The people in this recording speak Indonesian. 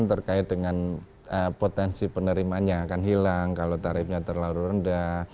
terkait dengan potensi penerimaan yang akan hilang kalau tarifnya terlalu rendah